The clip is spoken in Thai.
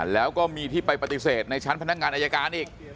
แล้วก็มีที่ไปปฏิเสธในชั้นพนักงานอายการอีก